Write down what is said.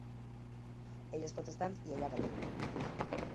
Ell és protestant i ella catòlica.